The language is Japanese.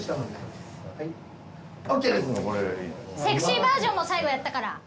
セクシーバージョンも最後やったから。